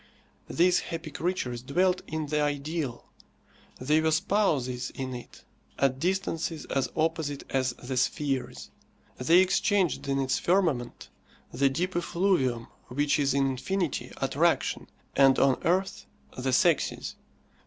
These happy creatures dwelt in the ideal. They were spouses in it at distances as opposite as the spheres. They exchanged in its firmament the deep effluvium which is in infinity attraction, and on earth the sexes.